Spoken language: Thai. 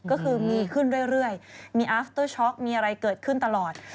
ก็คือมีขึ้นเรื่อยมีอาฟเตอร์ช็อกมีอะไรเกิดขึ้นตลอด